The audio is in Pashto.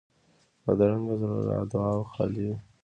بدرنګه زړه له دعاوو خالي وي